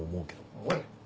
おい！